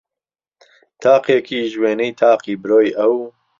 تاقێکیش وێنەی تاقی برۆی ئەو